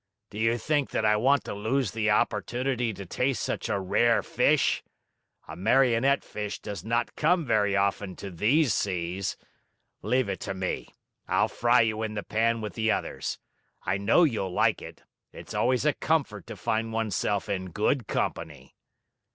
Do you think that I want to lose the opportunity to taste such a rare fish? A Marionette fish does not come very often to these seas. Leave it to me. I'll fry you in the pan with the others. I know you'll like it. It's always a comfort to find oneself in good company."